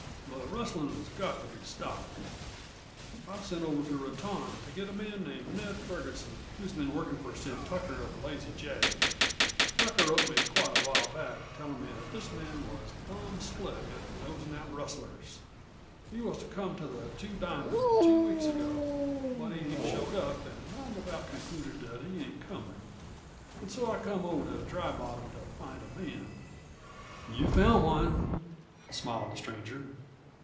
But rustlin' has got to be stopped. I've sent over to Raton to get a man named Ned Ferguson, who's been workin' for Sid Tucker, of the Lazy J. Tucker wrote me quite a while back, tellin' me that this man was plum slick at nosin' out rustlers. He was to come to the Two Diamond two weeks ago. But he ain't showed up, an' I've about concluded that he ain't comin'. An' so I come over to Dry Bottom to find a man." "You've found one," smiled the stranger.